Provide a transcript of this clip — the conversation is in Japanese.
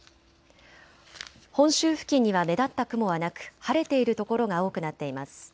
本州付近には目立った雲はなく晴れている所が多くなっています。